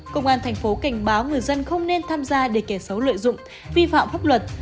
công an thành phố cảnh báo người dân không nên tham gia để kẻ xấu lợi dụng vi phạm pháp luật